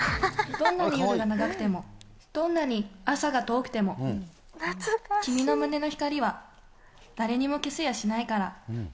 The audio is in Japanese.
どんなに夜が長くても、どんなに朝が遠くても、君の胸の光は誰にも消せやしないから。